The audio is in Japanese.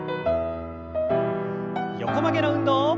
横曲げの運動。